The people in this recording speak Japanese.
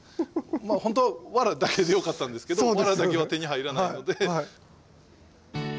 まあほんとはワラだけでよかったんですけどワラだけは手に入らないので。